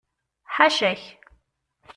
Ḥaca-k!